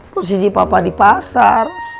posisi papa di pasar